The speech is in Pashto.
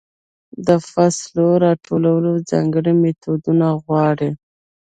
د فصلو راټولول ځانګړې میتودونه غواړي.